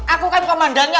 aku kan komandannya